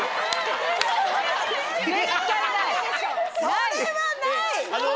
それはない！